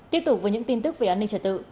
tiếp tục với những tin tức về an ninh trật tự